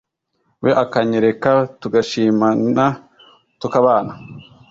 we akanyereka tugashimana tukabana